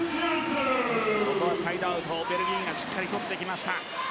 ここはサイドアウトをベルギーがしっかりとってきました。